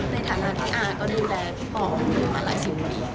ในฐานะที่อาก็ได้แบบบอกมาหลายสิ่งเลย